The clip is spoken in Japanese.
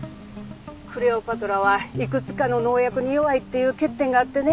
クレオパトラはいくつかの農薬に弱いっていう欠点があってね。